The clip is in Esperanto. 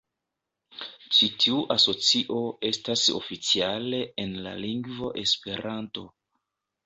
Ĉi-tiu asocio estas oficiale en la lingvo "Esperanto".